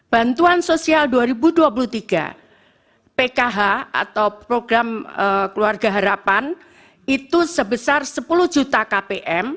bantuan sosial dua ribu dua puluh tiga pkh atau program keluarga harapan itu sebesar sepuluh juta kpm